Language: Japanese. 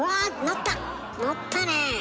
乗ったねえ！